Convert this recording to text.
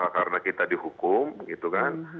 karena kita dihukum gitu kan